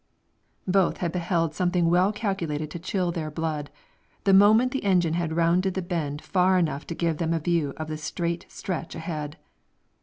Both had beheld something well calculated to chill their blood, the moment the engine had rounded the bend far enough to give them a view of the straight stretch ahead!